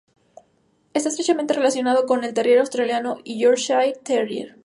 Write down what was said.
Está estrechamente relacionado con el terrier australiano y Yorkshire terrier.